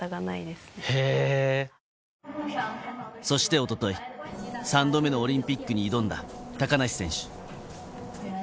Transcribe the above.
そしておととい、３度目のオリンピックに挑んだ高梨選手。